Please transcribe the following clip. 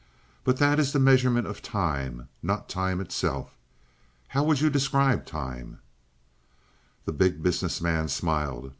But that is the measurement of time, not time itself. How would you describe time?" The Big Business Man smiled.